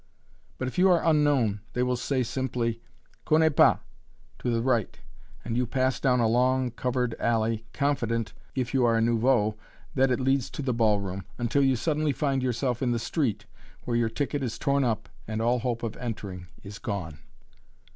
But if you are unknown they will say simply, "Connais pas! To the right!" and you pass down a long covered alley confident, if you are a "nouveau," that it leads into the ball room until you suddenly find yourself in the street, where your ticket is torn up and all hope of entering is gone.